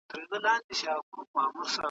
غزل ته مي د ښكلي يار تصوير پر مخ ګنډلی